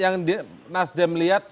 yang nasdem melihat